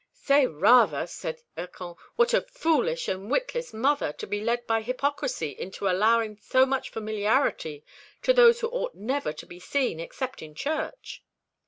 "Say rather," said Hircan, "what a foolish and witless mother to be led by hypocrisy into allowing so much familiarity to those who ought never to be seen except in church."